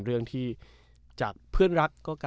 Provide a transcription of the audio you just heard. ซึ่งจริงแล้วอ่ะ